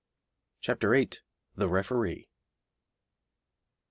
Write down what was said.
] CHAPTER VIII. The Referee.